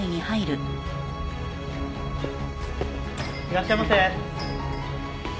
いらっしゃいませ。